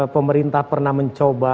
pemerintah pernah mencoba